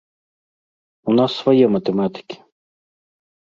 У нас свае матэматыкі.